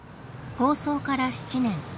放送から７年。